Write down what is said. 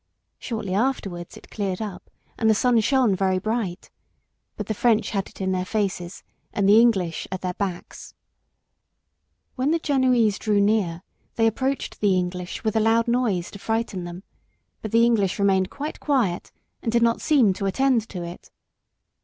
Shortly afterwards it cleared up and the sun shone very bright. But the French had it in their faces and the English at their backs. When the Genoese drew near, they approached the English with a loud noise to frighten them; but the English remained quite quiet, and did not seem to attend to it.